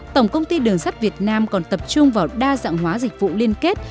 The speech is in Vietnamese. tổng công ty đường sắt việt nam còn tập trung vào đa dạng hóa dịch vụ liên kết